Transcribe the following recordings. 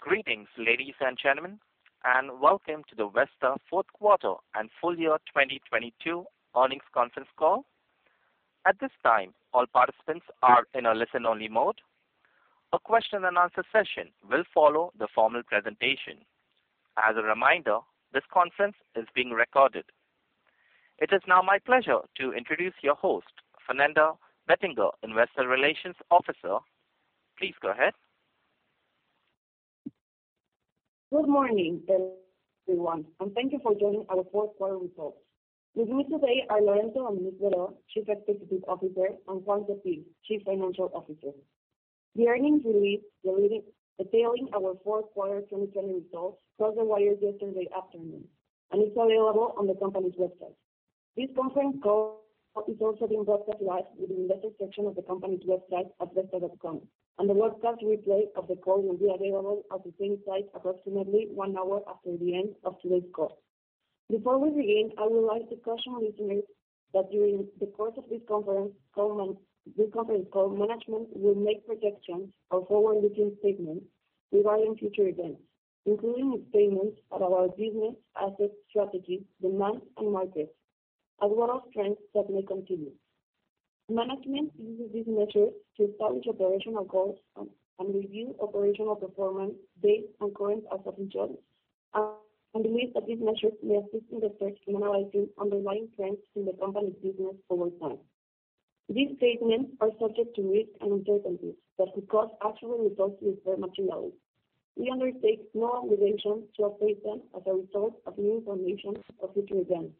Greetings, ladies and gentlemen, and welcome to the Vesta fourth quarter and full year 2022 earnings conference call. At this time, all participants are in a listen-only mode. A question-and-answer session will follow the formal presentation. As a reminder, this conference is being recorded. It is now my pleasure to introduce your host, Fernanda Bettinger, Investor Relations Officer. Please go ahead. Good morning, everyone, and thank you for joining our fourth quarter results. With me today are Lorenzo Dominique Berho, Chief Executive Officer, and Juan Sottil, Chief Financial Officer. The earnings release detailing our fourth quarter 2022 results crossed the wires yesterday afternoon and is available on the company's website. This conference call is also being broadcast live within the investor section of the company's website at vesta.com.mx, and the webcast replay of the call will be available at the same site approximately one hour after the end of today's call. Before we begin, I would like to caution listeners that during the course of this conference call, management will make projections or forward-looking statements regarding future events, including statements about our business, assets, strategies, demands, and markets, as well as trends that may continue. Management uses these measures to establish operational goals and review operational performance based on current operating trends and believes that these measures may assist investors in analyzing underlying trends in the company's business over time. These statements are subject to risks and uncertainties that could cause actual results to differ materially. We undertake no obligation to update them as a result of new information or future events.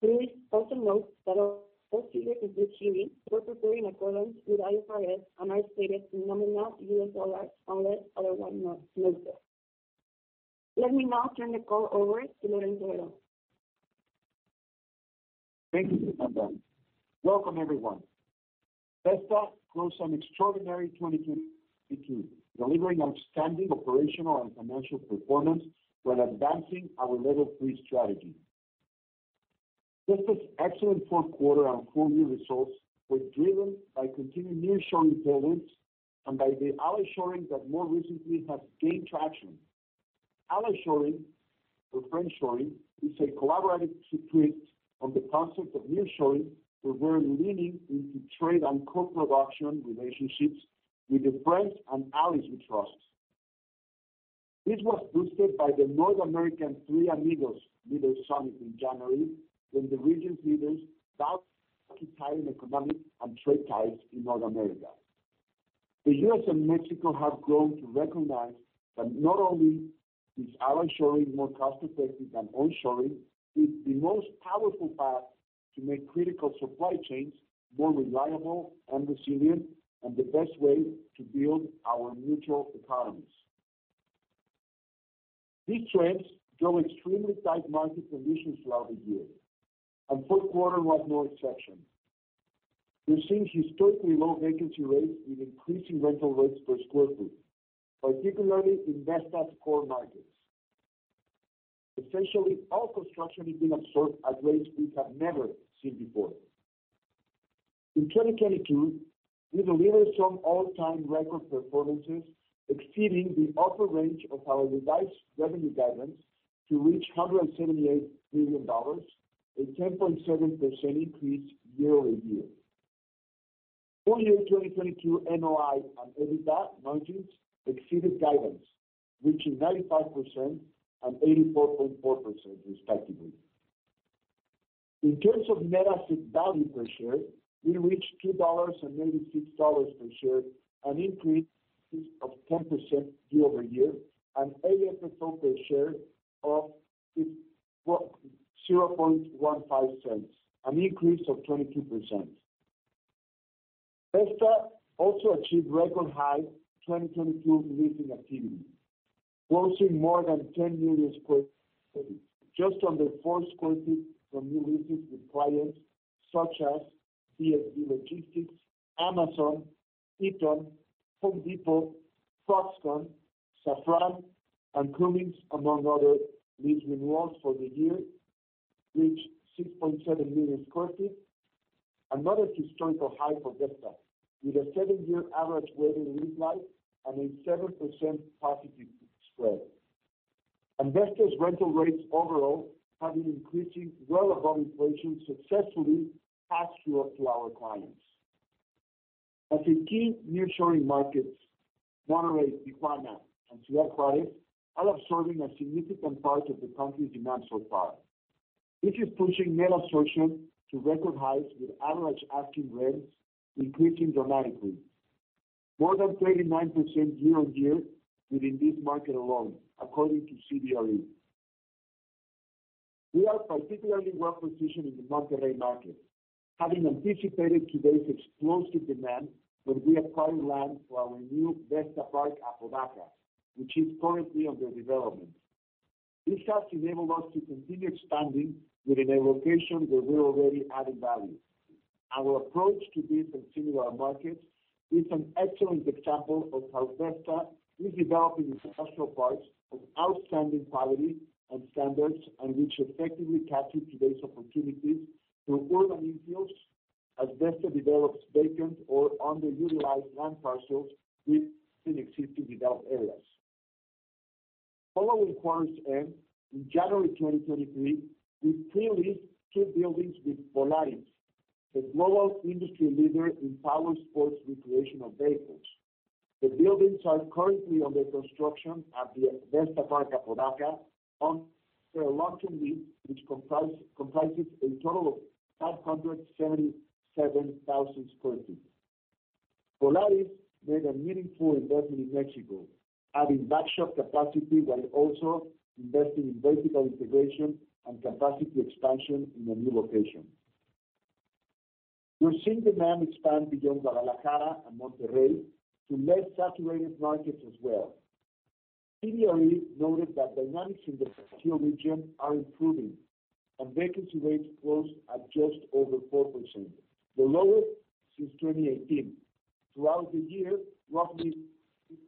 Please also note that our fourth quarter and year-to-date earnings were prepared in accordance with IFRS and are stated in nominal U.S. dollars unless otherwise noted. Let me now turn the call over to Lorenzo Berho. Thank you, Fernanda. Welcome, everyone. Vesta closed an extraordinary 2022, delivering outstanding operational and financial performance while advancing our Level three strategy. Vesta's excellent fourth quarter and full year results were driven by continued nearshoring trends and by the ally-shoring that more recently has gained traction. Ally-shoring or friendshoring is a collaborative take on the concept of nearshoring, where we're leaning into trade and co-production relationships with the friends and allies we trust. This was boosted by the North American Three Amigos Summit in January, when the region's leaders vowed to tighten economic and trade ties in North America. The U.S. and Mexico have grown to recognize that not only is ally-shoring more cost-effective than onshoring, it's the most powerful path to make critical supply chains more reliable and resilient, and the best way to build our mutual economies. These trends drove extremely tight market conditions throughout the year. Fourth quarter was no exception. We've seen historically low vacancy rates with increasing rental rates per square foot, particularly in Vesta's core markets. Essentially, all construction is being absorbed at rates we have never seen before. In 2022, we delivered some all-time record performances, exceeding the upper range of our revised revenue guidance to reach $178 million, a 10.7% increase year-over-year. Full year 2022 NOI and EBITDA margins exceeded guidance, reaching 95% and 84.4% respectively. In terms of net asset value per share, we reached $2.96 per share, an increase of 10% year-over-year, and AFFO per share of $0.0015, an increase of 22%. Vesta also achieved record high 2022 leasing activity, closing more than 10 million sq ft just on the fourth quarter from new leases with clients such as CSB Logistics, Amazon, Eaton, Home Depot, Foxconn, Safran, and Cummins, among others. Lease renewals for the year reached 6.7 million sq ft, another historical high for Vesta, with a seven-year average weighted lease life and a 7% positive spread. Vesta's rental rates overall have been increasing well above inflation, successfully passed through to our clients. As the key nearshoring markets, Monterrey, Tijuana, and Ciudad Juárez, are absorbing a significant part of the country's demand so far. This is pushing net absorption to record highs, with average asking rents increasing dramatically. More than 29% year-on-year within this market alone, according to CBRE. We are particularly well-positioned in the Monterrey market, having anticipated today's explosive demand when we acquired land for our new Vesta Park Apodaca, which is currently under development. This has enabled us to continue expanding within a location where we're already adding value. Our approach to this and similar markets is an excellent example of how Vesta is developing industrial parks of outstanding quality and standards and which effectively capture today's opportunities through urban infills. Following quarter's end, in January 2023, we pre-leased two buildings with Polaris, the global industry leader in power sports recreational vehicles. The buildings are currently under construction at the Vesta Park Apodaca on a long-term lease which comprises a total of 577,000 sq ft. Polaris made a meaningful investment in Mexico, adding back shop capacity while also investing in vertical integration and capacity expansion in a new location. We're seeing demand expand beyond Guadalajara and Monterrey to less saturated markets as well. Previously noted that dynamics in the Bajio region are improving and vacancy rates close at just over 4%, the lowest since 2018. Throughout the year,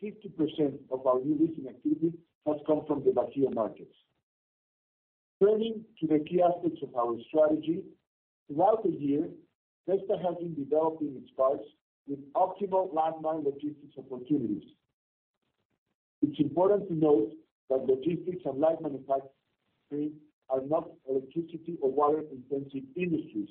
roughly 50% of our re-leasing activity has come from the Bajio markets. Turning to the key aspects of our strategy, throughout the year, Vesta has been developing its parks with optimal landmine logistics opportunities. It's important to note that logistics and light manufacturing are not electricity or water-intensive industries.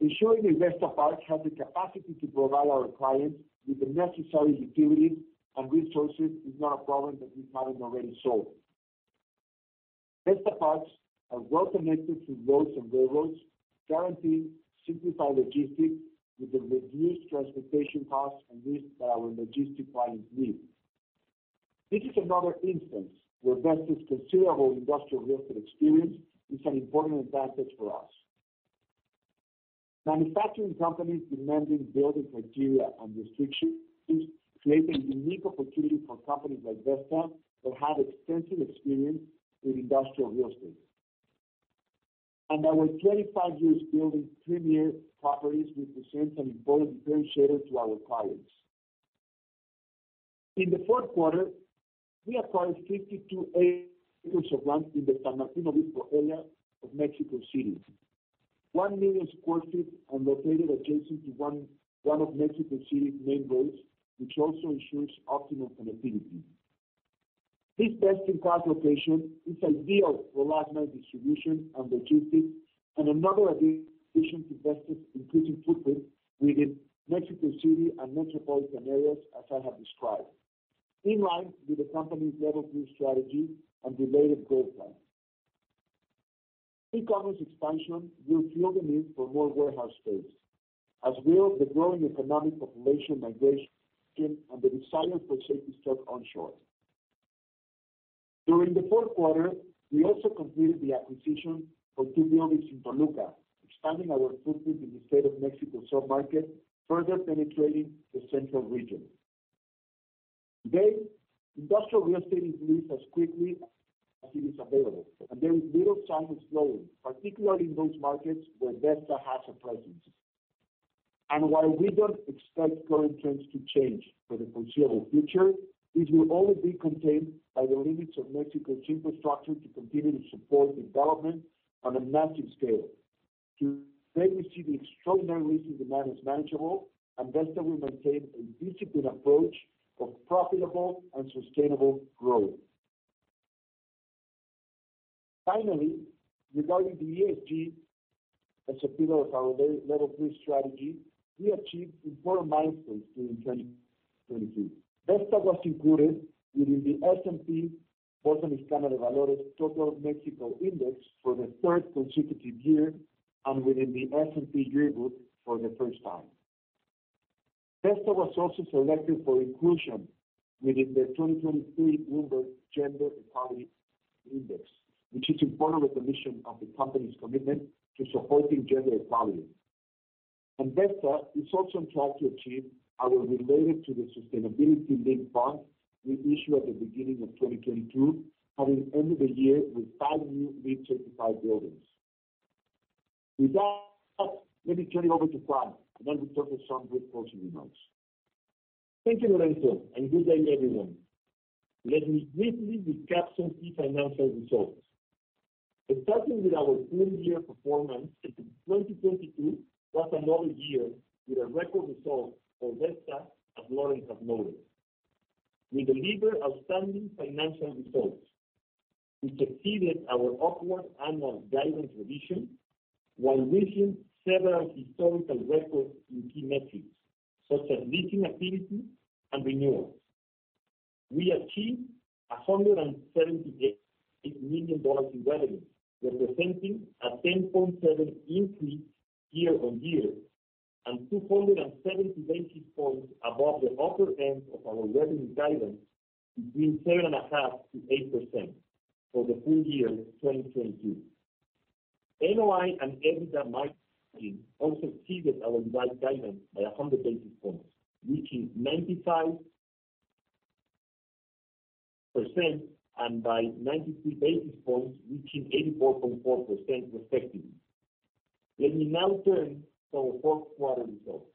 Ensuring the Vesta parks have the capacity to provide our clients with the necessary utilities and resources is not a problem that we haven't already solved. Vesta parks are well connected to roads and railroads, guaranteeing simplified logistics with the reduced transportation costs and risks that our logistic clients need. This is another instance where Vesta's considerable industrial real estate experience is an important advantage for us. Manufacturing companies demanding building criteria and restrictions create a unique opportunity for companies like Vesta that have extensive experience with industrial real estate. Our 25 years building premier properties represents an important differentiator to our clients. In the fourth quarter, we acquired 52 acres of land in the San Martín Obispo area of Mexico City, 1 million sq ft and located adjacent to one of Mexico City's main roads, which also ensures optimal connectivity. This Vesta park location is ideal for last mile distribution and logistics, and another addition to Vesta's increasing footprint within Mexico City and metropolitan areas, as I have described. In line with the company's Level Three strategy and related growth plan. E-commerce expansion will fuel the need for more warehouse space, as will the growing economic population migration and the desire for safety stock onshore. During the fourth quarter, we also completed the acquisition for two buildings in Toluca, expanding our footprint in the State of Mexico's sub-market, further penetrating the central region. Today, industrial real estate is leased as quickly as it is available, and there is little sign of slowing, particularly in those markets where Vesta has a presence. While we don't expect current trends to change for the foreseeable future, it will only be contained by the limits of Mexico's infrastructure to continue to support development on a massive scale. Today, we see the extraordinary leasing demand as manageable. Vesta will maintain a disciplined approach of profitable and sustainable growth. Finally, regarding the ESG as a pillar of our Level 3 strategy, we achieved important milestones during 2022. Vesta was included within the S&P/BMV Total Mexico Index for the third consecutive year and within the S&P DRIP for the first time. Vesta was also selected for inclusion within the 2023 Bloomberg Gender-Equality Index, which is important recognition of the company's commitment to supporting gender equality. Vesta is on track to achieve our related to the sustainability-linked bonds we issued at the beginning of 2022, having ended the year with five new LEED certified buildings. With that, let me turn it over to Juan, we'll talk to some brief closing remarks. Thank you, Lorenzo, good day, everyone. Let me briefly recap some key financial results. Starting with our full year performance in 2022 was another year with a record result for Vesta, as Lorenzo has noted. We delivered outstanding financial results, which exceeded our upward annual guidance revision while reaching several historical records in key metrics, such as leasing activity and renewals. We achieved $178 million in revenue, representing a 10.7% increase year-over-year and 270 basis points above the upper end of our revenue guidance between 7.5% and 8% for the full year 2022. NOI and EBITDA margins also exceeded our revised guidance by 100 basis points, reaching 95% and by 93 basis points, reaching 84.4% respectively. Let me now turn to our fourth quarter results.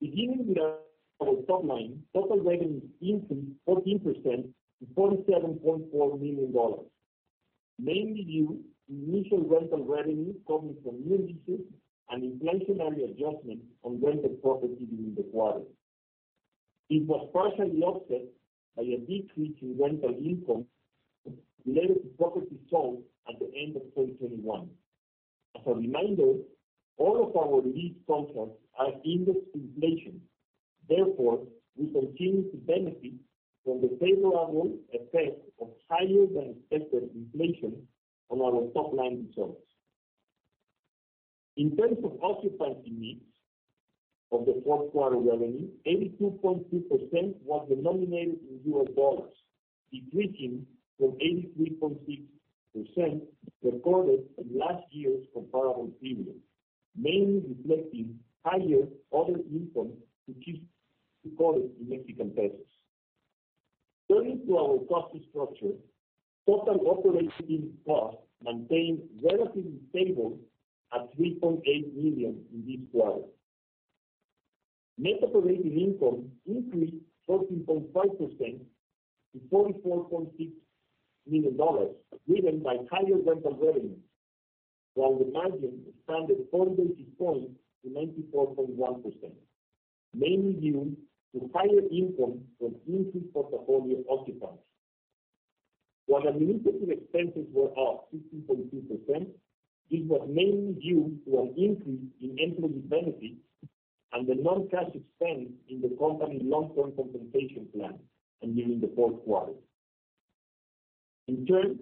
Beginning with our top line, total revenues increased 14% to $7.4 million, mainly due to initial rental revenue coming from new leases and inflationary adjustments on rented property during the quarter. It was partially offset by a decrease in rental income related to property sold at the end of 2021. As a reminder, all of our lease contracts are indexed to inflation. Therefore, we continue to benefit from the favorable effect of higher than expected inflation on our top-line results. In terms of occupancy mix of the fourth quarter revenue, 82.2% was denominated in U.S. dollars, decreasing from 83.6% recorded in last year's comparable period, mainly reflecting higher other income, which is recorded in Mexican pesos. Turning to our cost structure, total operating costs maintained relatively stable at $3.8 million in this quarter. Net operating income increased 13.5% to $44.6 million, driven by higher rental revenue, while the margin expanded 40 basis points to 94.1%, mainly due to higher income from increased portfolio occupancy. While administrative expenses were up 16.2%, it was mainly due to an increase in employee benefits and the non-cash expense in the company's long-term compensation plan ending in the fourth quarter. In turn,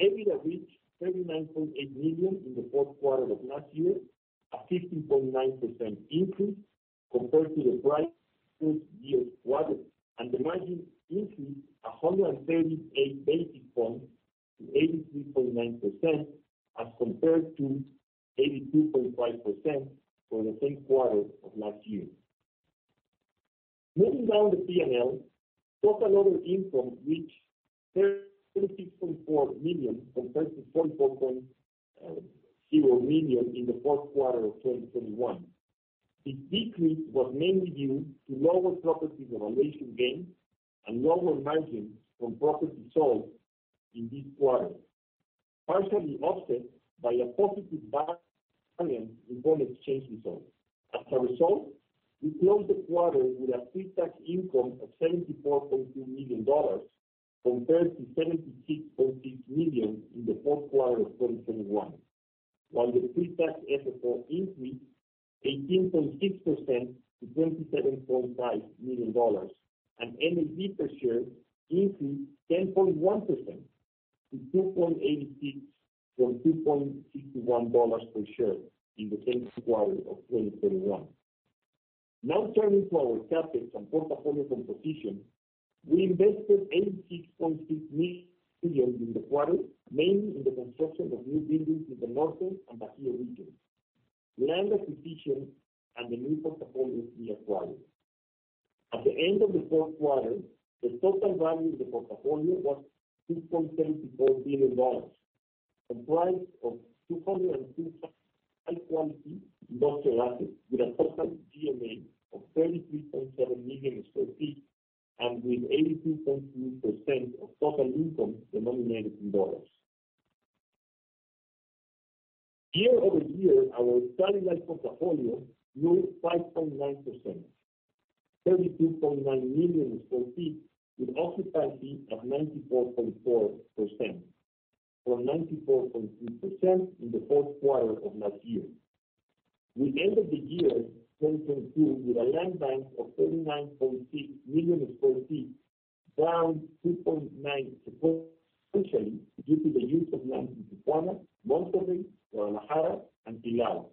EBITDA reached $39.8 million in the fourth quarter of last year, a 15.9% increase compared to the prior full year's quarter. The margin increased 138 basis points to 83.9% as compared to 82.5% for the same quarter of last year. Moving down the P&L, total other income reached $36.4 million compared to $24.0 million in the fourth quarter of 2021. This decrease was mainly due to lower property revaluation gains and lower margins from property sold in this quarter, partially offset by a positive variance in bond exchange results. We closed the quarter with a pre-tax income of $74.2 million compared to $76.6 million in the fourth quarter of 2021. The pre-tax FFO increased 18.6% to $27.5 million, and NAV per share increased 10.1% to $2.86 from $2.61 per share in the same quarter of 2021. Turning to our CapEx and portfolio composition. We invested $86.6 million in the quarter, mainly in the construction of new buildings in the Norte and Bajio regions, land acquisition, and the new portfolio we acquired. At the end of the fourth quarter, the total value of the portfolio was $6.34 billion, comprised of 202 high-quality industrial assets with a total GMA of 33.7 million sq ft and with 82.2% of total income denominated in dollars. Year-over-year, our stabilized portfolio grew 5.9%, 32.9 million sq ft, with occupancy at 94.4% from 94.3% in the fourth quarter of last year. We ended the year 2022 with a land bank of 39.6 million sq ft, down 2.9%, especially due to the use of land in Tijuana, Monterrey, Guadalajara, and Silao.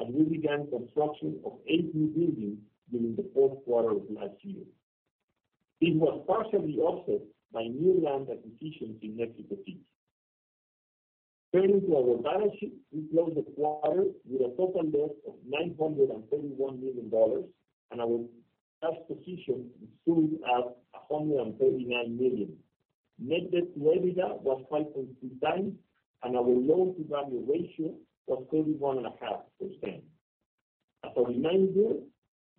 As we began construction of eight new buildings during the fourth quarter of last year. It was partially offset by new land acquisitions in Mexico City. Turning to our balance sheet, we closed the quarter with a total debt of $931 million, and our cash position stood at $139 million. Net debt to EBITDA was 5.3x, and our loan-to-value ratio was 31.5%. As a reminder,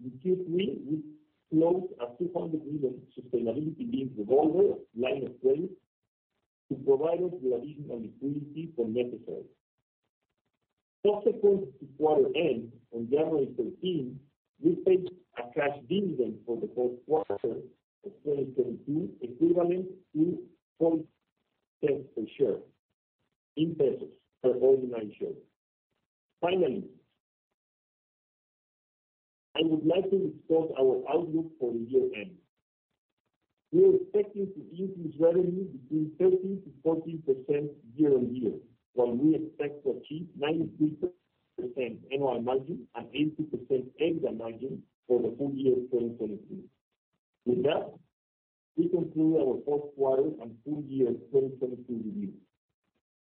in Q3, we closed a $200 million sustainability-linked revolving credit facility to provide us with additional liquidity when necessary. Subsequent to quarter end, on January 13, we paid a cash dividend for the fourth quarter of 2022, equivalent to 0.6 per share in pesos per ordinary share. Finally, I would like to discuss our outlook for the year end. We are expecting to increase revenue between 13%-14% year-over-year, while we expect to achieve 93% NOI margin and 80% EBITDA margin for the full year 2023. With that, we conclude our fourth quarter and full year 2022 review.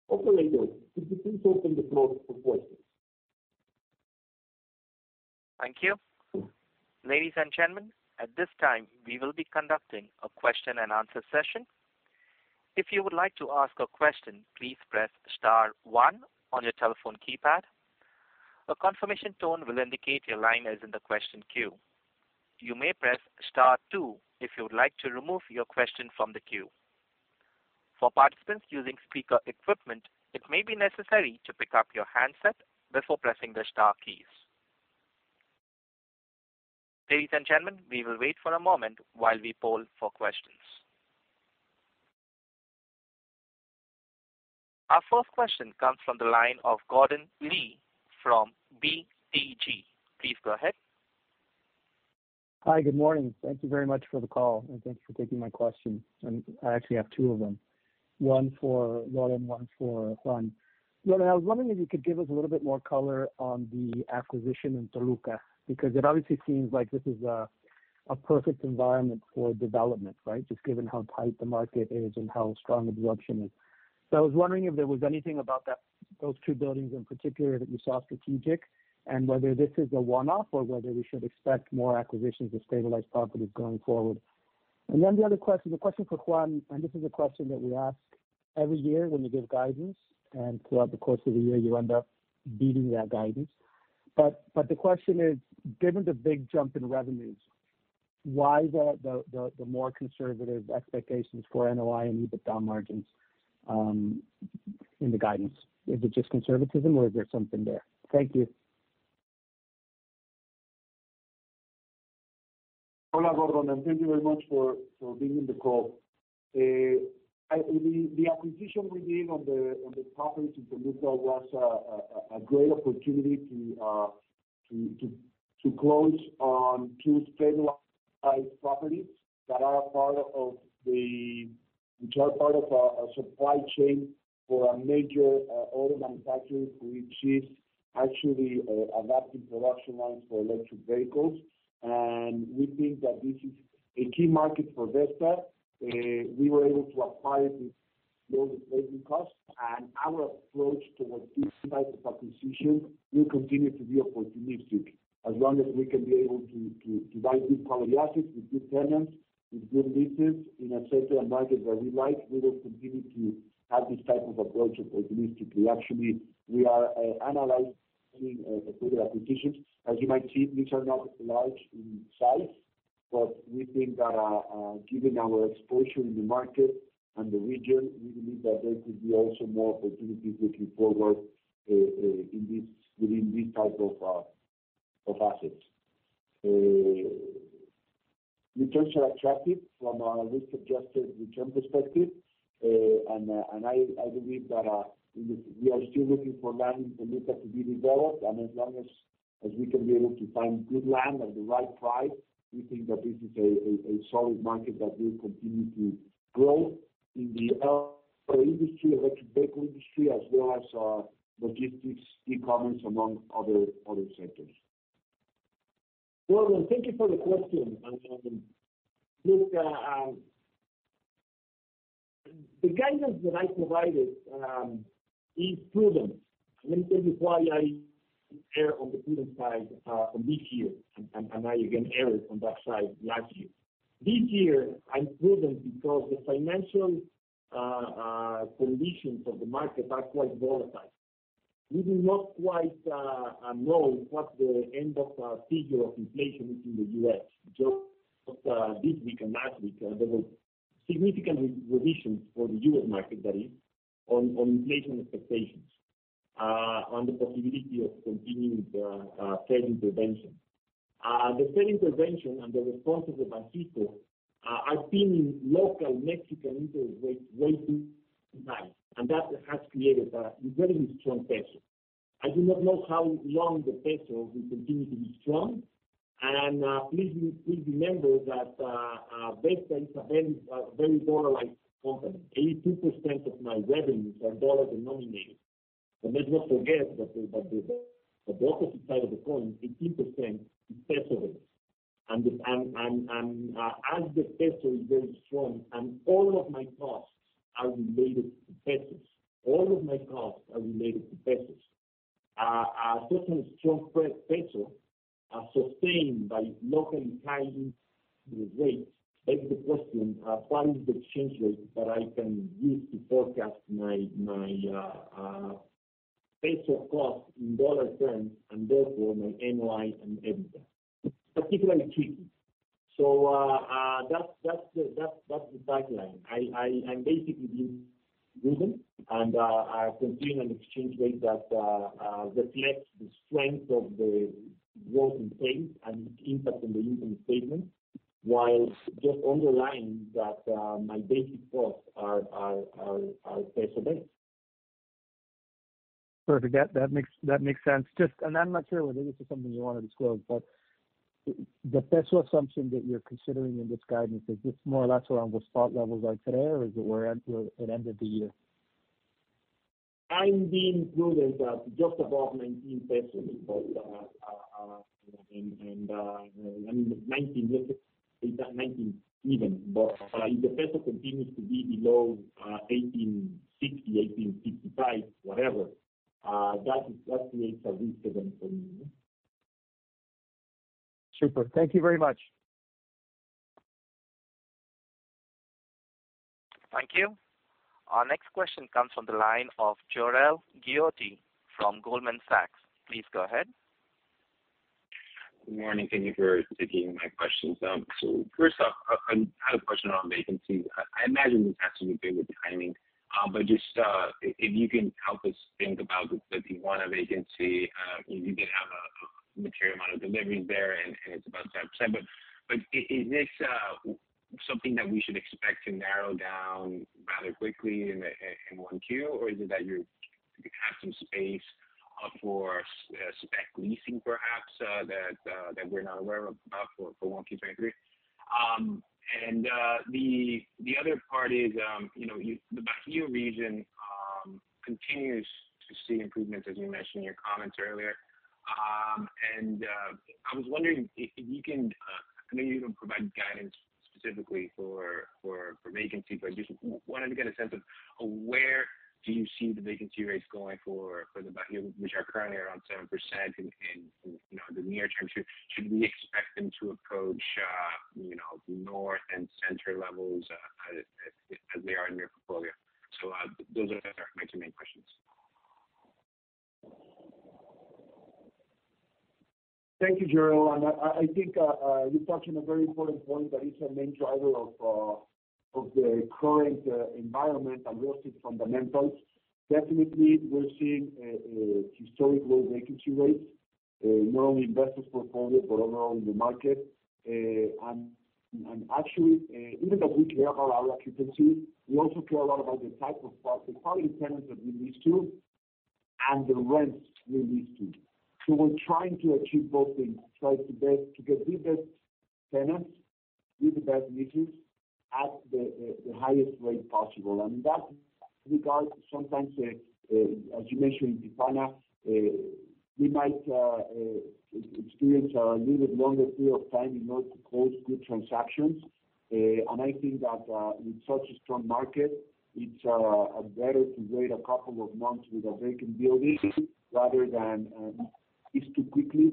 Operator, could you please open the floor for questions? Thank you. Ladies and gentlemen, at this time we will be conducting a question-and-answer session. If you would like to ask a question, please press star 1 on your telephone keypad. A confirmation tone will indicate your line is in the question queue. You may press star 2 if you would like to remove your question from the queue. For participants using speaker equipment, it may be necessary to pick up your handset before pressing the star keys. Ladies and gentlemen, we will wait for a moment while we poll for questions. Our first question comes from the line of Gordon Lee from BTG. Please go ahead. Hi. Good morning. Thank you very much for the call, and thanks for taking my question. I actually have two of them, one for Lorenzo, one for Juan. Lorenzo, I was wondering if you could give us a little bit more color on the acquisition in Toluca, because it obviously seems like this is a perfect environment for development, right? Just given how tight the market is and how strong absorption is. I was wondering if there was anything about those two buildings in particular that you saw strategic and whether this is a one-off or whether we should expect more acquisitions of stabilized properties going forward. The other question, the question for Juan, this is a question that we ask every year when you give guidance, throughout the course of the year you end up beating that guidance. The question is, given the big jump in revenues, why the more conservative expectations for NOI and EBITDA margins in the guidance? Is it just conservatism or is there something there? Thank you. Hola, Gordon, and thank you very much for being in the call. The acquisition we did on the property in Toluca was a great opportunity to close on two stabilized properties that are part of the supply chain for a major auto manufacturer, which is actually adapting production lines for electric vehicles. We think that this is a key market for Vesta. We were able to acquire these low replacement costs, and our approach towards this type of acquisition will continue to be opportunistic. As long as we can be able to buy good quality assets with good tenants, with good leases in a sector and market that we like, we will continue to have this type of approach of opportunistically. Actually, we are analyzing further acquisitions. As you might see, these are not large in size, but we think that, given our exposure in the market and the region, we believe that there could be also more opportunities looking forward within this type of assets. Returns are attractive from a risk-adjusted return perspective. We are still looking for land in Toluca to be developed. As long as we can be able to find good land at the right price, we think that this is a solid market that will continue to grow in the auto industry, electric vehicle industry, as well as logistics, e-commerce, among other sectors. Gordon, thank you for the question. Look, the guidance that I provided is prudent. Let me tell you why I err on the prudent side on this year. I, again, errored on that side last year. This year I'm prudent because the financial conditions of the market are quite volatile. We do not quite know what the end of figure of inflation is in the U.S. Just this week and last week, there were significant revisions for the U.S. market, that is, on inflation expectations, on the possibility of continuing the Fed intervention. The Fed intervention and the response of the Banxico have been in local Mexican interest rates rising high, and that has created a very strong peso. I do not know how long the peso will continue to be strong. Please remember that Vesta is a very, very dollarized company. 82% of my revenues are $ denominated. Let's not forget that the opposite side of the coin, 18% is MXN-based. As the peso is very strong and all of my costs are related to MXN. A certain strong peso sustained by locally tightened rates begs the question, what is the exchange rate that I can use to forecast my MXN cost in $ terms, and therefore my NOI and EBITDA. It's particularly tricky. That's the tagline. I'm basically being prudent and I continue an exchange rate that reflects the strength of the peso and its impact on the income statement, while just underlining that my basic costs are peso-based. Perfect. That makes sense. I'm not sure whether this is something you want to disclose, but the peso assumption that you're considering in this guidance, is this more or less around the spot levels like today, or is it where it ended the year? I'm being prudent at just above 19 pesos, but I mean 19 even. If the peso continues to be below 18.60, 18.65, whatever, that creates a risk event for me. Super. Thank you very much. Thank you. Our next question comes from the line of Jorel Guilloty from Goldman Sachs. Please go ahead. Good morning. Thank you for taking my questions. First off, I had a question on vacancy. I imagine this has to do with timing. Just, if you can help us think about the Tijuana vacancy. You did have a material amount of deliveries there, and it's about 7%. Is this something that we should expect to narrow down rather quickly in 1Q? Or is it that you have some space for spec leasing perhaps, that we're not aware of, for 1Q 2023? The other part is, you know, you the Bajio region continues to see improvements, as you mentioned in your comments earlier. I was wondering if you can, I know you don't provide guidance specifically for vacancy. Just wanted to get a sense of where do you see the vacancy rates going for the Bajio, which are currently around 7% in, you know, the near term. Should we expect them to approach, you know, north and center levels as they are in your portfolio? Those are my two main questions. Thank you, Jerrel. I think you're touching a very important point that is a main driver of the current environment and logistic fundamentals. Definitely, we're seeing a historic low vacancy rates, not only in Vesta's portfolio, but overall in the market. Actually, even though we care about our occupancy, we also care a lot about the type of the quality of tenants that we lease to and the rents we lease to. We're trying to achieve both things. Try to get the best tenants with the best leases at the highest rate possible. In that regard, sometimes, as you mentioned in Tijuana, we might experience a little bit longer period of time in order to close good transactions. I think that with such a strong market, it's better to wait a couple of months with a vacant building rather than lease too quickly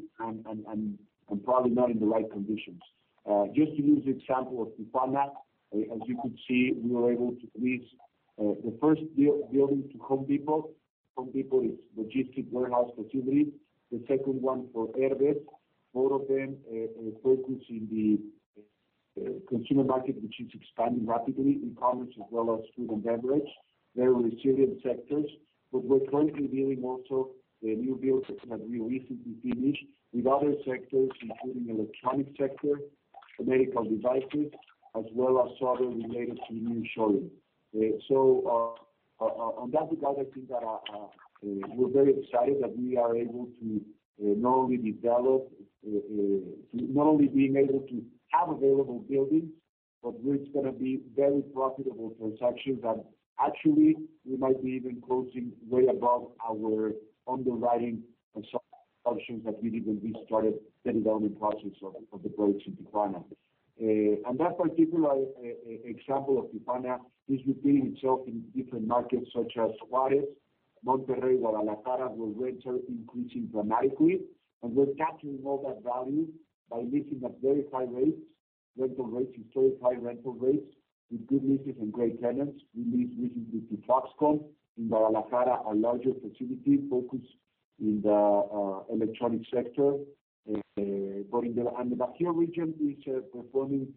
and probably not in the right conditions. Just to use the example of Tijuana, as you could see, we were able to lease the first building to Home Depot. Home Depot is logistic warehouse facility. The second one for Herdez. Both of them focus in the consumer market, which is expanding rapidly in commerce as well as food and beverage. Very resilient sectors. We're currently building also a new build that we recently finished with other sectors, including electronic sector, medical devices, as well as others related to new showroom. On that regard, I think that we're very excited that we are able to not only develop, to not only being able to have available buildings, but where it's gonna be very profitable transactions. Actually, we might be even closing way above our underwriting assumptions that we did when we started the development process of the projects in Tijuana. That particular example of Tijuana is repeating itself in different markets such as Juárez, Monterrey, Guadalajara, where rental increasing dramatically. We're capturing all that value by leasing at very high rates, rental rates, historically high rental rates with good leases and great tenants. We leased recently to Foxconn in Guadalajara, a larger facility focused in the electronic sector. The Bajío region is performing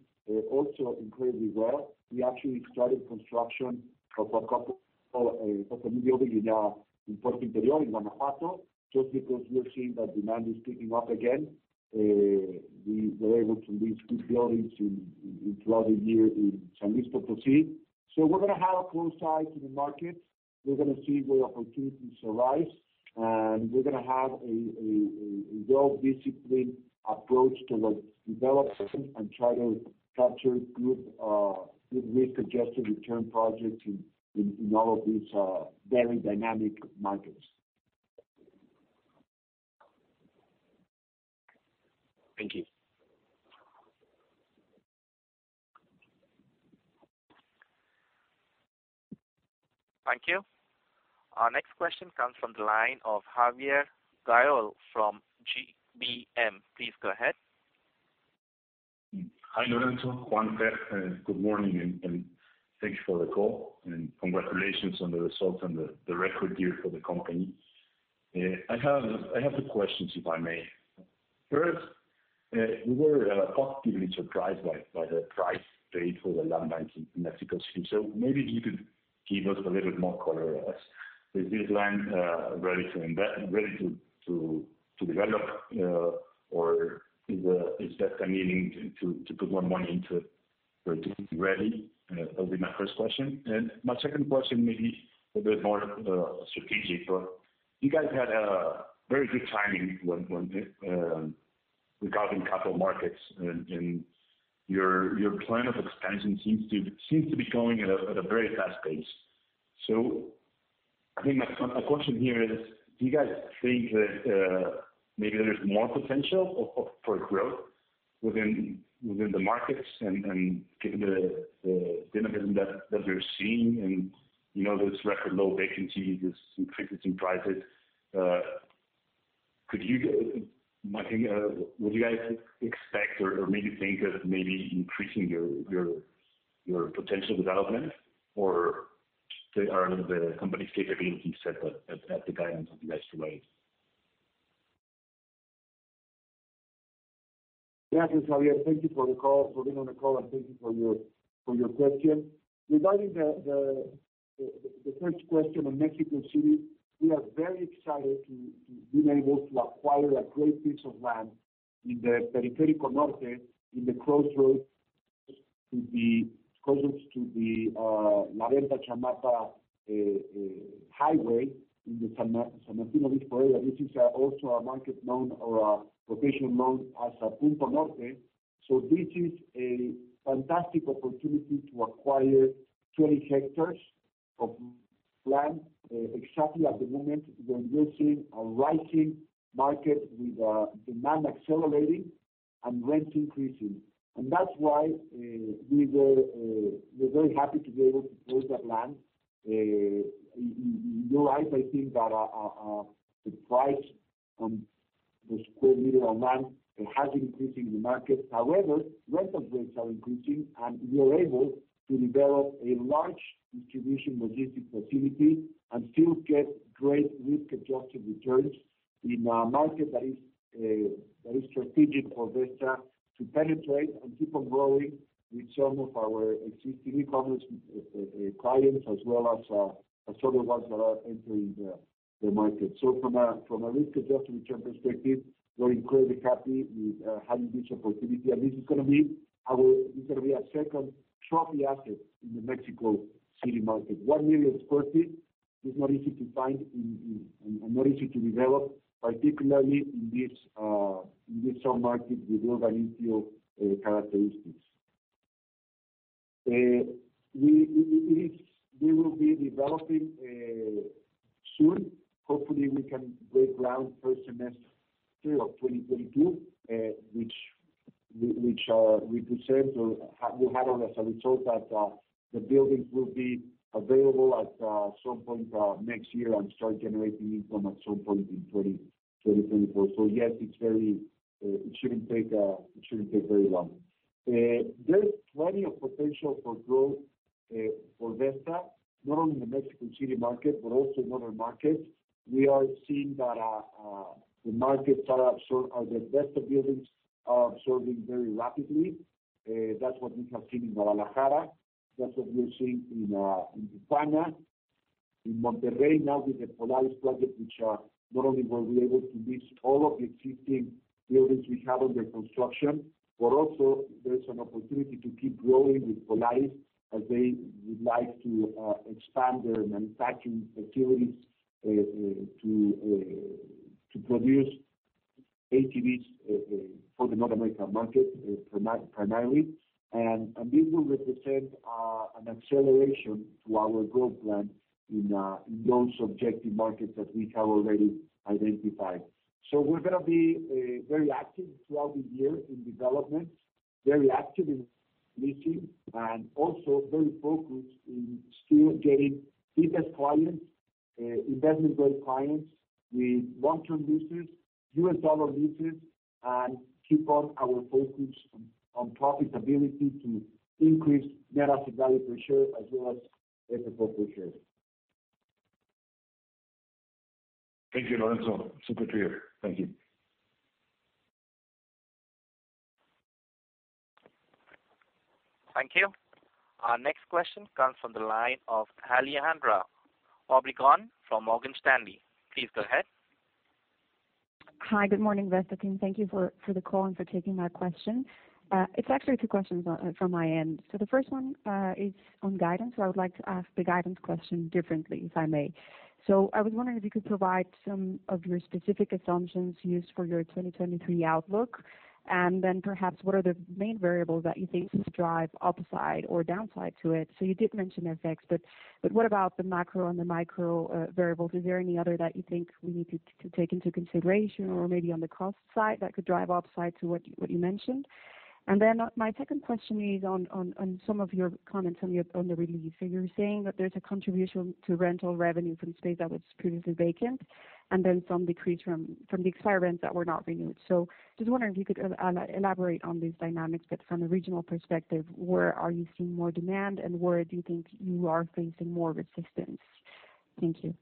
also incredibly well. We actually started construction of a new building in Puerto Interior in Guanajuato, just because we are seeing that demand is picking up again. We were able to lease good buildings in early year in San Luis Potosí. We're gonna have a close eye to the market. We're gonna see where opportunities arise. We're gonna have a well-disciplined approach towards development and try to capture good risk-adjusted return projects in all of these very dynamic markets. Thank you. Thank you. Our next question comes from the line of Javier Garol from GBM. Please go ahead. Hi, Lorenzo, Juan, Fer. Good morning and thank you for the call, and congratulations on the results and the record year for the company. I have two questions, if I may. First, we were positively surprised by the price paid for the land banks in Mexico City. Maybe you could give us a little bit more color as is this land ready to develop, or is BECA meaning to put more money into it for it to be ready? That'll be my first question. My second question may be a bit more strategic. You guys had a very good timing when regarding capital markets. Your plan of expansion seems to be going at a very fast pace. I think my question here is, do you guys think that maybe there is more potential for growth within the markets and given the dynamism that we're seeing, and, you know, those record low vacancies, this increase in prices, could you, Martin, would you guys expect or maybe think of increasing your potential development or they are the company's capabilities set at the guidance of the last two ways? Yeah. Javier, thank you for the call, for being on the call, and thank you for your question. Regarding the first question on Mexico City, we are very excited to be able to acquire a great piece of land in the Periférico Norte in the crossroads to the Chamapa highway in the San Antonio area. This is also a market known or a location known as Punto Norte. This is a fantastic opportunity to acquire 20 hectares of land exactly at the moment when we're seeing a rising market with demand accelerating and rents increasing. That's why we're very happy to be able to purchase that land. You realize, I think, that the price on the square meter of land, it has increased in the market. However, rental rates are increasing, and we are able to develop a large distribution logistics facility and still get great risk-adjusted returns in a market that is very strategic for Vesta to penetrate and keep on growing with some of our existing e-commerce clients, as well as other ones that are entering the market. From a risk-adjusted return perspective, we're incredibly happy with having this opportunity. This is gonna be a second trophy asset in the Mexico City market. 1 million sq ft is not easy to find and not easy to develop, particularly in this sub-market with urban infill characteristics. We will be developing soon. Hopefully, we can break ground first semester of 2022, which we could say, so we have on as a result that the buildings will be available at some point next year and start generating income at some point in 2024. Yes, it shouldn't take very long. There's plenty of potential for growth for Vesta, not only in the Mexican City market but also in other markets. We are seeing that the Vesta buildings are absorbing very rapidly. That's what we have seen in Guadalajara. That's what we are seeing in Tijuana. In Monterrey now with the Polaris project, which, not only were we able to lease all of the existing buildings we have under construction, but also there's an opportunity to keep growing with Polaris as they would like to expand their manufacturing facilities to produce ATVs for the North American market primarily. This will represent an acceleration to our growth plan in those objective markets that we have already identified. We're gonna be very active throughout the year in development, very active in leasing, and also very focused in still getting biggest clients, investment-grade clients with long-term leases, US dollar leases, and keep on our focus on profitability to increase net asset value per share as well as FFO per share. Thank you, Lorenzo. Super clear. Thank you. Thank you. Our next question comes from the line of Alejandra Obregon from Morgan Stanley. Please go ahead. Hi. Good morning, Vesta team. Thank you for the call and for taking my question. It's actually two questions from my end. The first one is on guidance. I would like to ask the guidance question differently, if I may. I was wondering if you could provide some of your specific assumptions used for your 2023 outlook. Perhaps what are the main variables that you think could drive upside or downside to it? You did mention FX, but what about the macro and the micro variables? Is there any other that you think we need to take into consideration or maybe on the cost side that could drive upside to what you mentioned? My second question is on some of your comments on the re-lease. You're saying that there's a contribution to rental revenue from space that was previously vacant and then some decrease from the expirations that were not renewed. Just wondering if you could elaborate on these dynamics, but from a regional perspective, where are you seeing more demand, and where do you think you are facing more resistance? Thank you.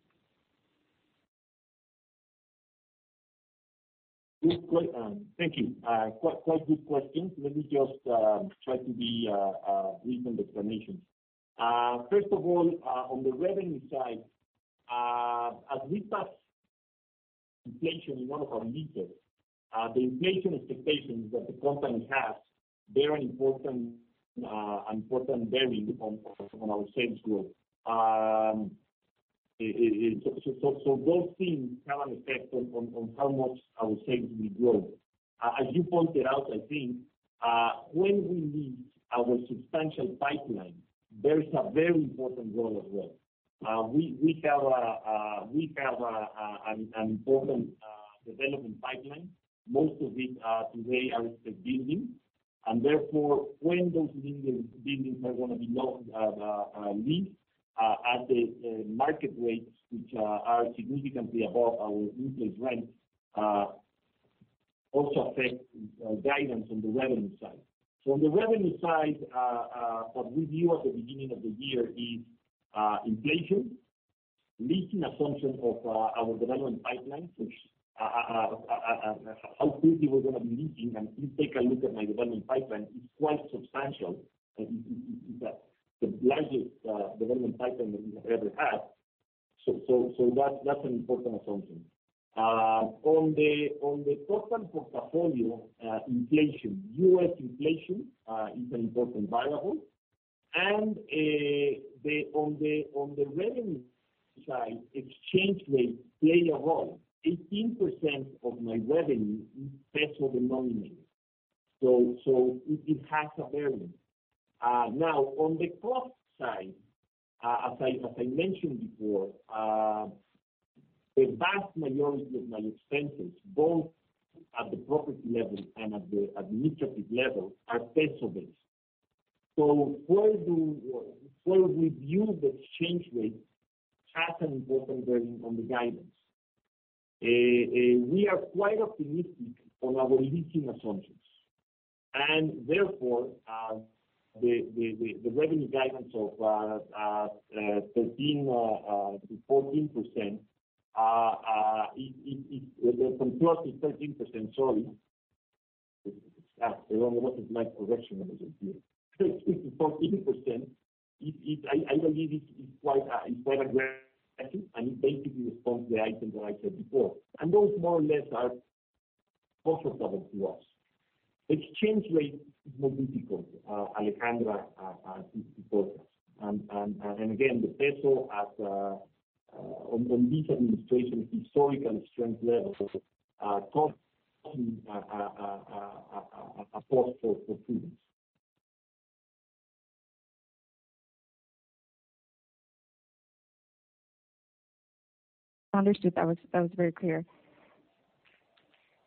Thank you. Quite good questions. Let me just try to be brief on the explanations. First of all, on the revenue side, as we saw inflation in one of our leases, the inflation expectations that the company has bear an important bearing on our sales growth. Those things have an effect on how much our sales will grow. As you pointed out, I think, when we lease our substantial pipeline, there is a very important role as well. We have an important development pipeline. Most of it today are under building. Therefore when those buildings are gonna be leased at the market rates, which are significantly above our input rents, also affect guidance on the revenue side. On the revenue side, what we view at the beginning of the year is inflation, leasing assumption of our development pipeline, which how quickly we're gonna be leasing. If you take a look at my development pipeline, it's quite substantial. It's the largest development pipeline that we have ever had. That's an important assumption. On the total portfolio, inflation, U.S. inflation is an important variable, on the revenue side, exchange rates play a role. 18% of my revenue is peso-denominated. It has a bearing. Now on the cost side, as I mentioned before, the vast majority of my expenses, both at the property level and at the administrative level, are peso-based. Where we view the exchange rate has an important bearing on the guidance. We are quite optimistic on our leasing assumptions, and therefore, the revenue guidance of 13%-14%. From cost is 13% sorry. What is my correction number here? It's 14%. I believe it's quite aggressive, and it basically responds to the items that I said before, and those more or less are also covered to us. Exchange rate is more difficult, Alejandra, as you pointed. Again, the peso at on this administration's historical strength levels are tough to a force for prudence. Understood. That was very clear.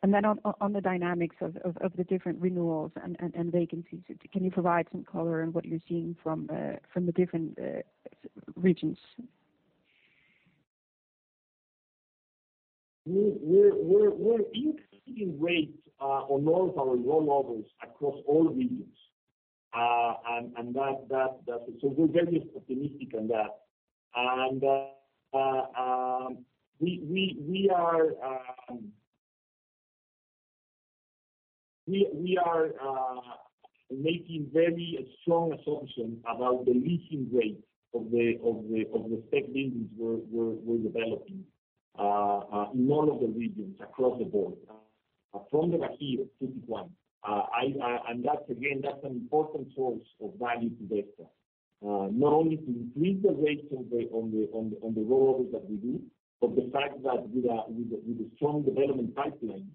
On the dynamics of the different renewals and vacancies, can you provide some color on what you're seeing from the different regions? We're increasing rates on all of our rollovers across all regions. We're very optimistic on that. We are making very strong assumption about the leasing rates of the spec buildings we're developing in all of the regions across the board. From the get-go, 51. That's again, that's an important source of value to Vesta. Not only to increase the rates on the rollovers that we do, but the fact that with a strong development pipeline,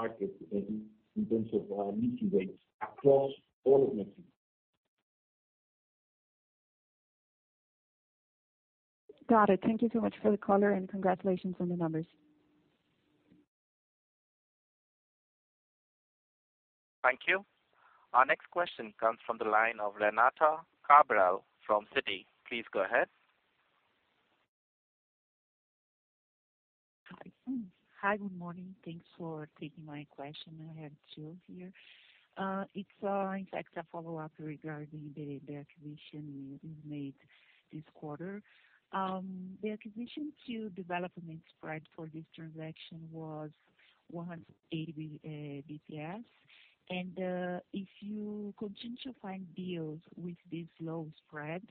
we are basically leasing at the top of the market in terms of leasing rates across all of Mexico. Got it. Thank you so much for the color and congratulations on the numbers. Thank you. Our next question comes from the line of Renata Cabral from Citi. Please go ahead. Hi. Hi. Good morning. Thanks for taking my question. I have two here. It's in fact a follow-up regarding the acquisition you made this quarter. The acquisition to development spread for this transaction was 180 BPS. If you continue to find deals with this low spread,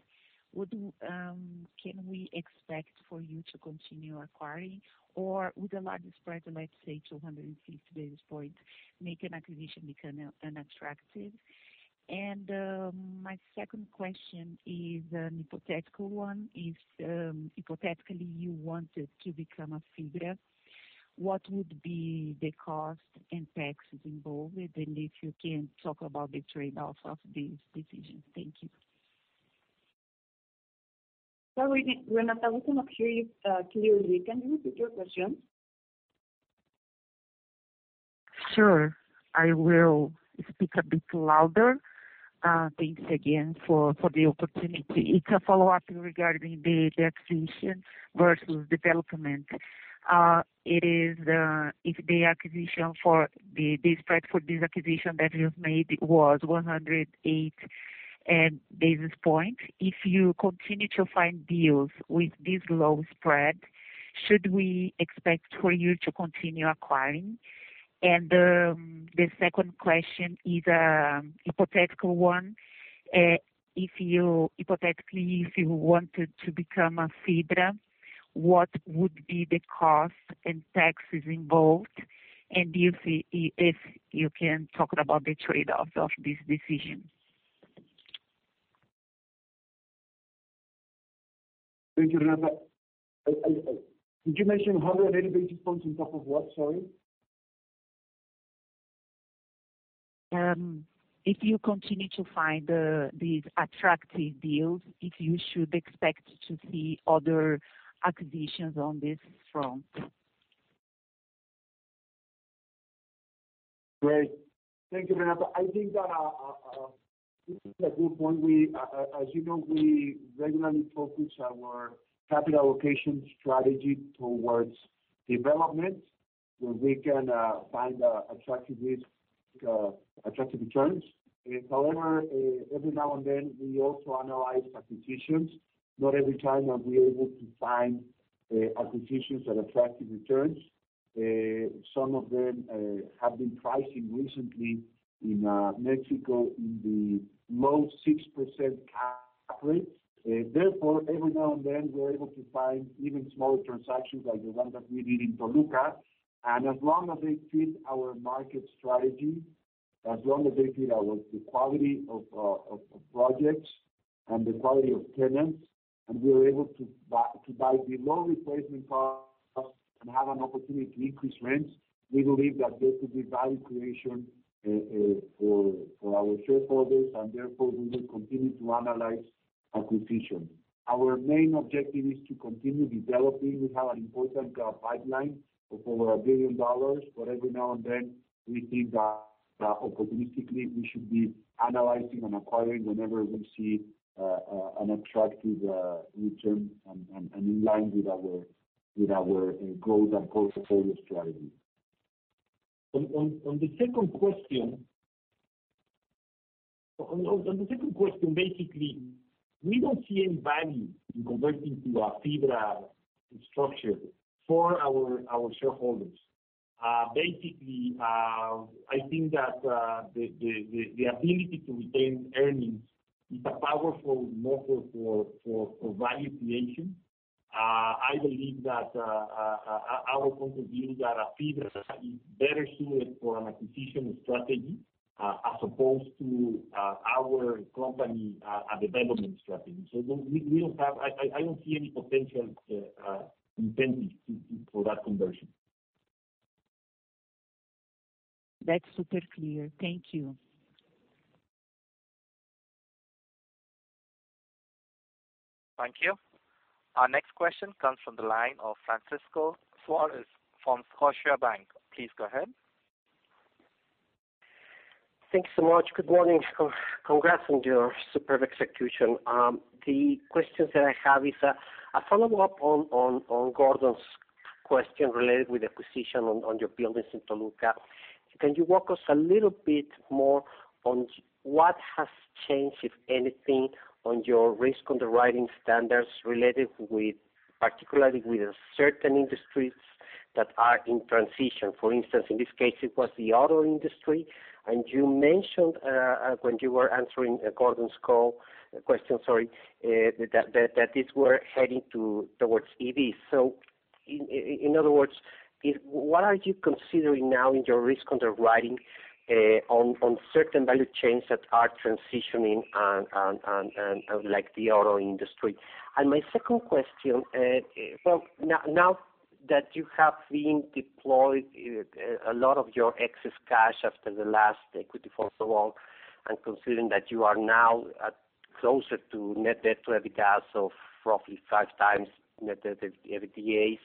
would can we expect for you to continue acquiring or would a larger spread, let's say 260 basis points, make an acquisition become unattractive? My second question is an hypothetical one. If hypothetically you wanted to become a FIBRA, what would be the cost and taxes involved? If you can talk about the trade-off of these decisions. Thank you. Sorry, Renata, we cannot hear you clearly. Can you repeat your question? Sure. I will speak a bit louder. Thanks again for the opportunity. It's a follow-up regarding the acquisition versus development. The spread for this acquisition that you've made was 108 basis points. If you continue to find deals with this low spread, should we expect for you to continue acquiring? The second question is a hypothetical one. If you hypothetically, if you wanted to become a FIBRA, what would be the cost and taxes involved? If you can talk about the trade-off of this decision. Thank you, Renata. I Did you mention 180 basis points on top of what? Sorry. If you continue to find these attractive deals, if you should expect to see other acquisitions on this front. Great. Thank you, Renata. I think that this is a good one. We, as you know, we regularly focus our capital allocation strategy towards development, where we can find attractive risk, attractive returns. Every now and then, we also analyze acquisitions. Not every time are we able to find acquisitions at attractive returns. Some of them have been pricing recently in Mexico in the low 6% cap rate. Every now and then, we're able to find even smaller transactions like the one that we did in Toluca. As long as they fit our market strategy, as long as they fit our the quality of projects and the quality of tenants, and we are able to buy below replacement costs and have an opportunity to increase rents, we believe that there could be value creation for our shareholders, and therefore we will continue to analyze acquisition. Our main objective is to continue developing. We have an important pipeline of over $1 billion. Every now and then, we think that opportunistically, we should be analyzing and acquiring whenever we see an attractive return and in line with our goals and portfolio strategy. On the second question. On the second question, basically, we don't see any value in converting to a FIBRA structure for our shareholders. Basically, I think that the ability to retain earnings is a powerful motive for value creation. I believe that our point of view is that a FIBRA is better suited for an acquisition strategy, as opposed to our company, a development strategy. I don't see any potential incentive for that conversion. That's super clear. Thank you. Thank you. Our next question comes from the line of Francisco Suarez from Scotiabank. Please go ahead. Thanks so much. Good morning. Co-congrats on your superb execution. The questions that I have is a follow-up on Gordon's question related with acquisition on your buildings in Toluca. Can you walk us a little bit more on what has changed, if anything, on your risk underwriting standards related with particularly with certain industries that are in transition? For instance, in this case, it was the auto industry. You mentioned when you were answering Gordon's call, question, sorry, that these were heading towards EVs. In other words, what are you considering now in your risk underwriting on certain value chains that are transitioning and like the auto industry? My second question, now that you have been deployed a lot of your excess cash after the last equity for so long, and considering that you are now closer to net debt to EBITDA of roughly 5 times net debt to EBITDA,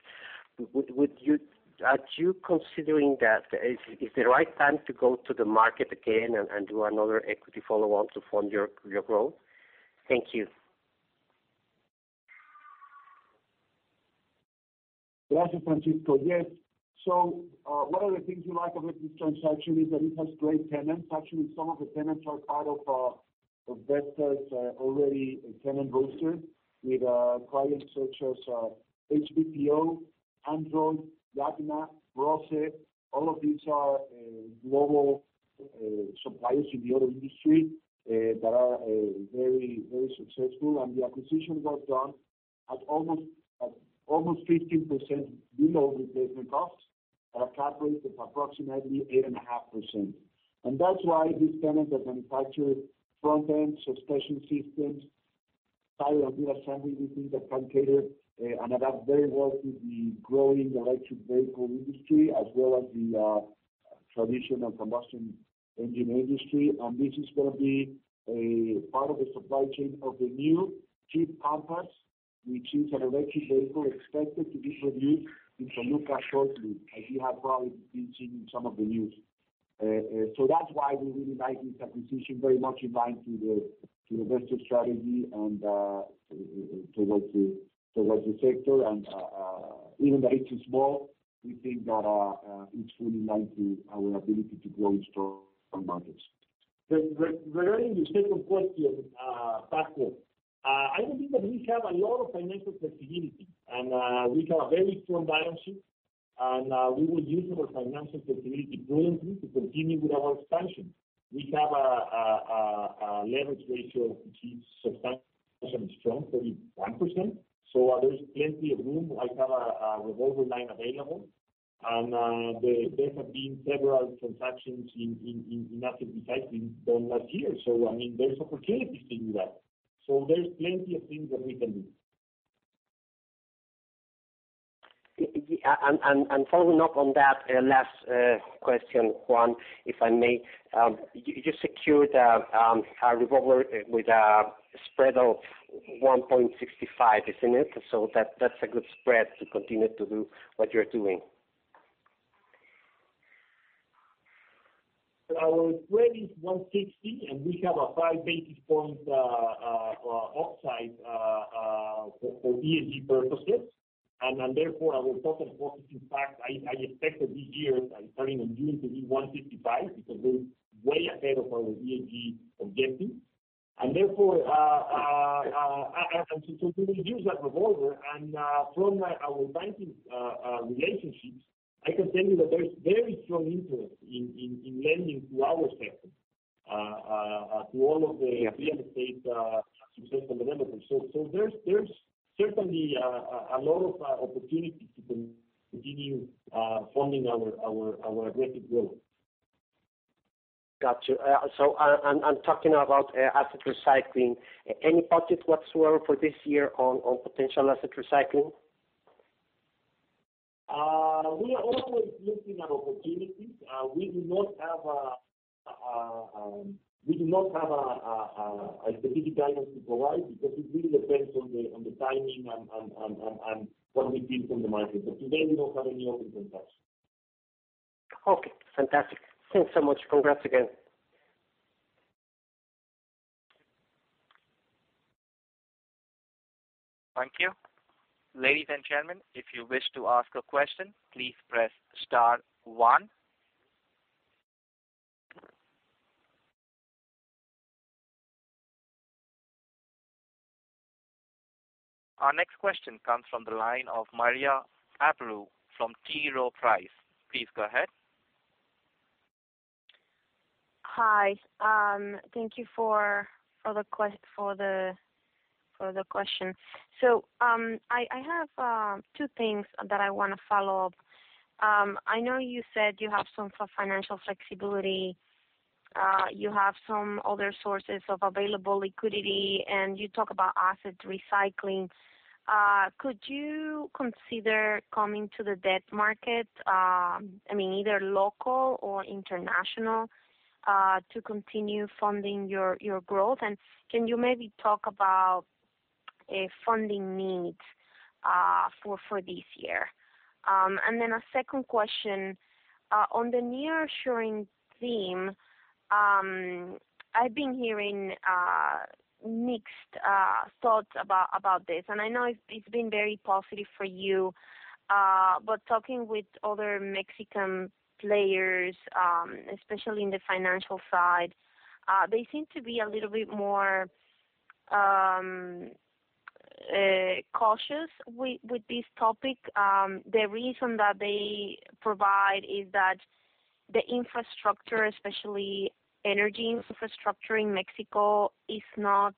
are you considering that is the right time to go to the market again and do another equity follow-on to fund your growth? Thank you. Gracias, Francisco. Yes. One of the things we like about this transaction is that it has great tenants. Actually, some of the tenants are part of Vesta's already tenant roster with clients such as HBPO, Android, Magna, Brose. All of these are global suppliers in the auto industry that are very, very successful. The acquisition was done at almost 15% below replacement costs at a cap rate of approximately 8.5%. That's why these tenants that manufacture front-end suspension systems, tires, and wheel assembly, we think that can cater and adapt very well to the growing electric vehicle industry as well as the traditional combustion engine industry. This is going to be a part of the supply chain of the new Jeep Compass, which is an electric vehicle expected to be produced in Toluca shortly, as you have probably been seeing in some of the news. That's why we really like this acquisition, very much in line to the Vesta strategy and towards the sector. Even though it is small, we think that it's fully in line to our ability to grow in strong markets. Regarding your second question, Paco, I believe that we have a lot of financial flexibility. We have a very strong balance sheet. We will use our financial flexibility brilliantly to continue with our expansion. We have a leverage ratio which is substantially strong, 41%. There is plenty of room. I have a revolver line available, and there have been several transactions in asset recycling done last year. I mean, there's opportunities to do that. There's plenty of things that we can do. Yeah. Following up on that last question, Juan, if I may. You secured a revolver with a spread of 1.65, isn't it? That's a good spread to continue to do what you're doing. Our spread is 160, and we have a five basis point upside for ESG purchases. Therefore our total cost. In fact, I expect that this year starting in June to be 155, because we're way ahead of our ESG objectives. Therefore, to reduce that revolver from our banking relationships, I can tell you that there's very strong interest in lending to our sector. Yeah. Real estate, successful developers. There's certainly a lot of opportunity to continue funding our aggressive growth. Got you. And talking about asset recycling. Any budget whatsoever for this year on potential asset recycling? We are always looking at opportunities. We do not have a specific guidance to provide because it really depends on the timing and what we see from the market. Today we don't have any open transactions. Okay, fantastic. Thanks so much. Congrats again. Thank you. Ladies and gentlemen, if you wish to ask a question, please press star one. Our next question comes from the line of Maria Amparo from T. Rowe Price. Please go ahead. Hi. Thank you for the question. I have two things that I wanna follow up. I know you said you have some financial flexibility. You have some other sources of available liquidity, and you talk about asset recycling. Could you consider coming to the debt market, I mean, either local or international, to continue funding your growth? Can you maybe talk about a funding needs for this year? A second question on the nearshoring theme, I've been hearing mixed thoughts about this, and I know it's been very positive for you. Talking with other Mexican players, especially in the financial side, they seem to be a little bit more cautious with this topic. The reason that they provide is that the infrastructure, especially energy infrastructure in Mexico, is not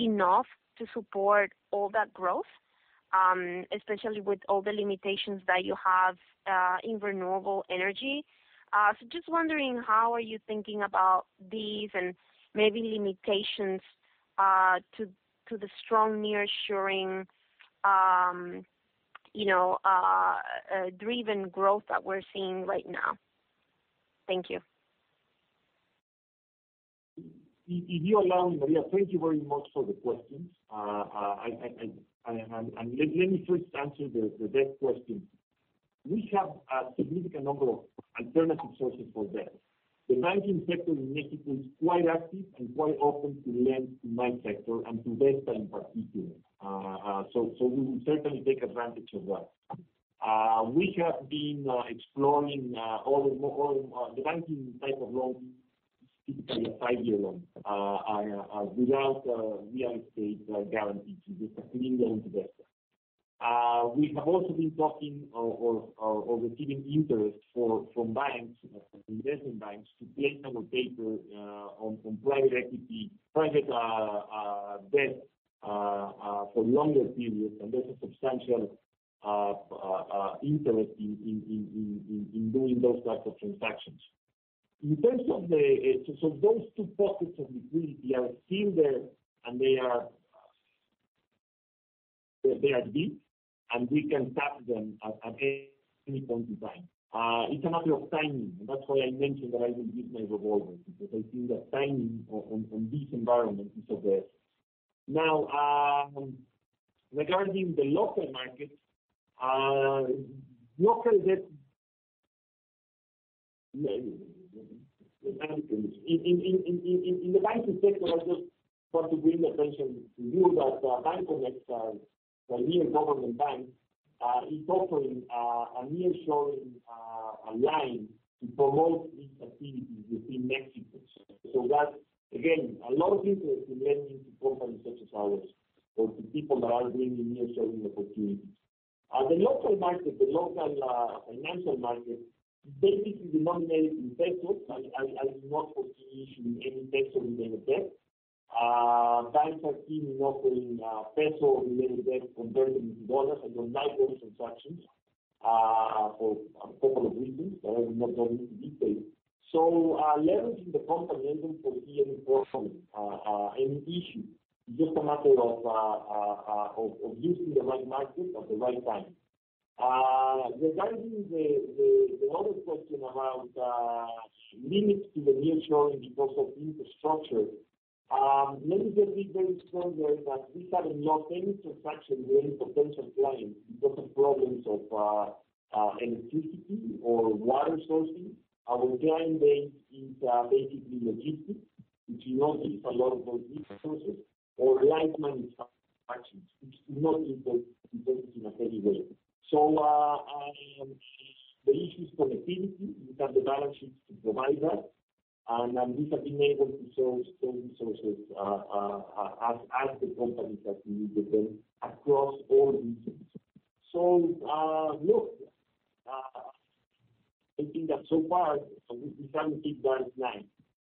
enough to support all that growth, especially with all the limitations that you have, in renewable energy. Just wondering how are you thinking about these and maybe limitations, to the strong nearshoring, you know, driven growth that we're seeing right now. Thank you. If you allow me, Maria. Thank you very much for the questions. Let me first answer the debt question. We have a significant number of alternative sources for debt. The banking sector in Mexico is quite active and quite open to lend to my sector and to Vesta in particular. We will certainly take advantage of that. We have been exploring all the banking type of loans, typically a five-year loan without a real estate guarantee to Vesta. A clean loan to Vesta. We have also been talking or receiving interest from banks, investment banks to place our paper on private equity, private debt for longer periods. There's a substantial interest in doing those types of transactions. Those two pockets of liquidity are still there, and they are deep, and we can tap them at any point in time. It's a matter of timing. That's why I mentioned that I will give my revolver, because I think that timing on this environment is of the essence. Now, regarding the local market, local debt in the banking sector, I just want to bring attention to you that Bancomext, the near government bank, is offering a nearshoring line to promote these activities within Mexico. That, again, a lot of interest in lending to companies such as ours or to people that are bringing nearshoring opportunities. The local market, the local financial market basically denominated in pesos. I do not foresee issuing any peso related debt. Banks are keen in offering peso related debt converted into dollars and those type of transactions. For a couple of reasons that I will not go into detail. Leveraging the company doesn't foresee any problem, any issue. It's just a matter of using the right market at the right time. Regarding the other question around limits to the near term because of infrastructure, let me be very clear there that we have not any transaction with any potential client because of problems of electricity or water sourcing. Our client base is basically logistics, which you know needs a lot of those resources or light manufacturing, which do not impact the business in any way. The issue is connectivity. We have the balance sheets to provide that, and we have been able to source those resources as the companies that we need them across all regions. No, I think that so far we haven't hit that line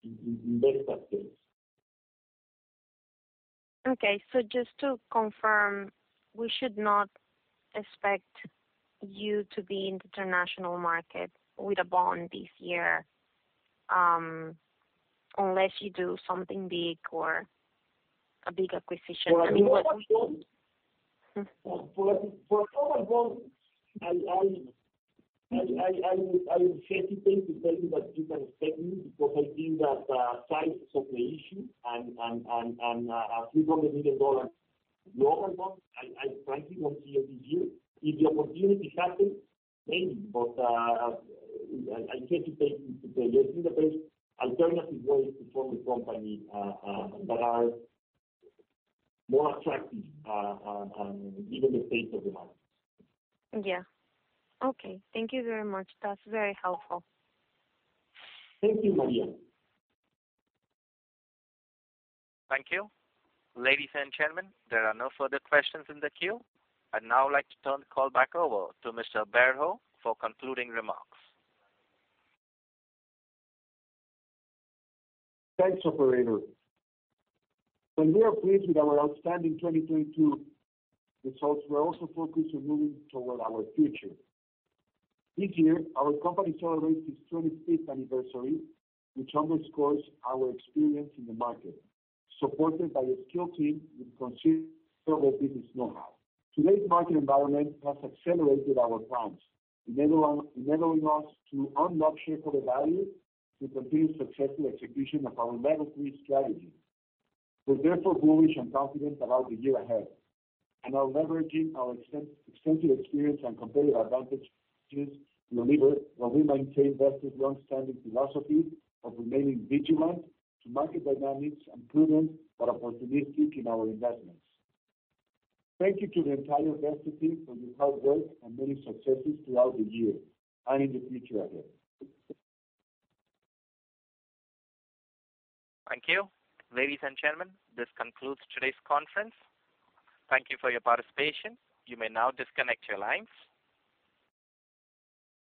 in best of case. Just to confirm, we should not expect you to be in the international market with a bond this year, unless you do something big or a big acquisition. For a global. Hmm. For a global bond, I would hesitate to tell you that you can expect me because I think that size of the issue and a $300 million global bond, I frankly won't see it this year. If the opportunity happens, maybe. I hesitate to say yes. I think there's alternative ways to fund the company that are more attractive given the state of the markets. Yeah. Okay. Thank you very much. That's very helpful. Thank you, María. Thank you. Ladies and gentlemen, there are no further questions in the queue. I'd now like to turn the call back over to Mr. Berho for concluding remarks. Thanks, operator. While we are pleased with our outstanding 2022 results, we're also focused on moving toward our future. This year, our company celebrates its 25th anniversary, which underscores our experience in the market, supported by a skilled team with considerable business know-how. Today's market environment has accelerated our plans, enabling us to unlock shareholder value through continued successful execution of our Level three strategy. We're therefore bullish and confident about the year ahead. Are leveraging our extensive experience and competitive advantages while we maintain Vesta's longstanding philosophy of remaining vigilant to market dynamics and prudent, but opportunistic in our investments. Thank you to the entire Vesta's team for your hard work and many successes throughout the year and in the future ahead. Thank you. Ladies and gentlemen, this concludes today's conference. Thank you for your participation. You may now disconnect your lines.